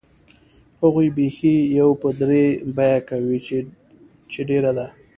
هغوی بیخي یو په درې بیه کوي چې ډېره ده.